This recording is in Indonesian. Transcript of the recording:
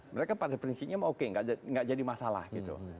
mereka pada prinsipnya oke nggak jadi masalah gitu